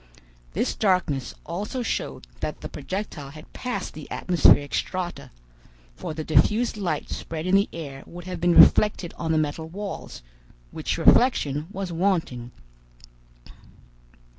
This darkness also showed that the projectile had passed the atmospheric strata, for the diffused light spread in the air would have been reflected on the metal walls, which reflection was wanting.